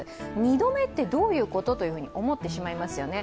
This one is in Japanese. ２度目ってどういうこと？と思ってしまいますよね。